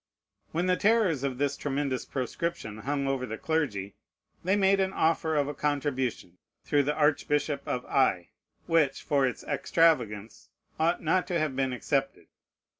When the terrors of this tremendous proscription hung over the clergy, they made an offer of a contribution, through the Archbishop of Aix, which, for its extravagance, ought not to have been accepted.